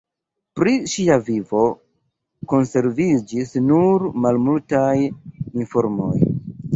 Pri ŝia vivo konserviĝis nur malmultaj informoj.